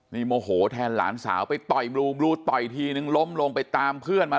นี่โมโหแทนหลานสาวไปต่อยบลูบลูต่อยทีนึงล้มลงไปตามเพื่อนมา